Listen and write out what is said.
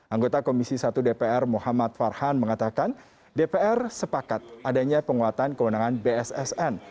anggota komisi satu dpr muhammad farhan mengatakan dpr sepakat adanya penguatan kewenangan bssn